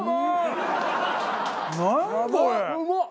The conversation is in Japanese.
うまっ！